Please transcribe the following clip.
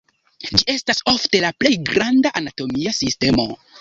Ĝi estas ofte la plej granda anatomia sistemo.